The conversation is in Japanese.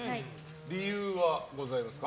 理由はございますか？